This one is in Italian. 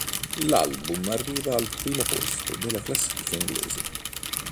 L'album arriva al primo posto della classifica inglese.